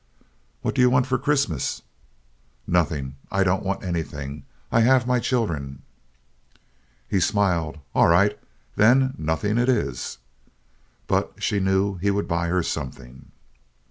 "What do you want for Christmas?" "Nothing. I don't want anything. I have my children." He smiled. "All right. Then nothing it is." But she knew he would buy her something.